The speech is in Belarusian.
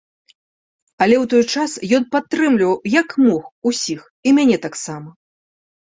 Але ў той час ён падтрымліваў, як мог, усіх, і мяне таксама.